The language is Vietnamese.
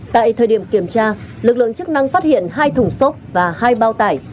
tại thời điểm kiểm tra lực lượng chức năng phát hiện hai thùng xốp và hai bao tải